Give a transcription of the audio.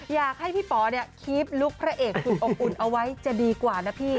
อยากให้พี่ป๋อคลิปลุกพระเอกดูออกอุ่นเอาไว้จะดีกว่านะพี่